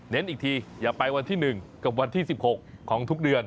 อีกทีอย่าไปวันที่๑กับวันที่๑๖ของทุกเดือน